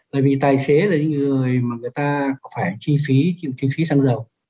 bởi vì tài xế là những người mà người ta phải chi phí chi phí xăng dầu